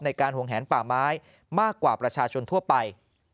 ห่วงแหนป่าไม้มากกว่าประชาชนทั่วไป